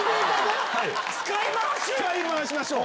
使い回しましょう。